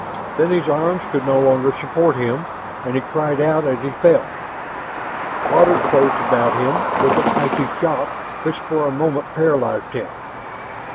Then his arms could no longer support him, and he cried out as he fell. Water closed about him with an icy shock which for a moment paralyzed him.